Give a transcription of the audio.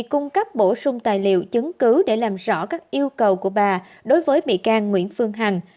cung cấp bổ sung tài liệu chứng cứ để làm rõ các yêu cầu của bà đối với bị can nguyễn phương hằng